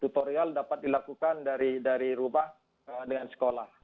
tutorial dapat dilakukan dari rumah dengan sekolah